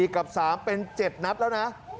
กับ๓เป็น๗นัดแล้วนะ